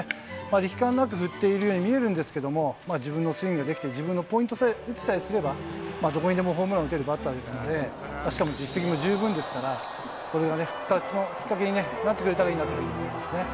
力感なく振っているように見えるんですけども、自分のスイングができて、自分のポイントで打ちさえすれば、どこにでもホームランを打てるバッターですので、しかも実績も十分ですから、これが復活のきっかけになってくれたらいいなと思いますね。